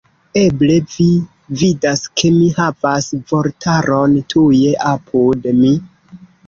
Eble vi vidas, ke mi havas vortaron tuje apud mi.